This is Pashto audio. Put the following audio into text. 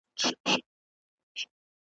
نه پېچومي کږلېچونه نه په مخ کي ورکي لاري .